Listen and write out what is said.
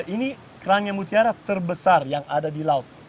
ini kerangnya mutiara terbesar yang ada di laut